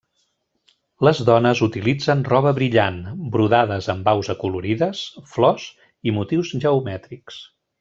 Les dones utilitzen roba brillant, brodades amb aus acolorides, flors i motius geomètrics.